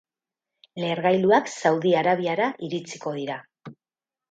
Lehergailuak Saudi Arabiara iritsiko dira.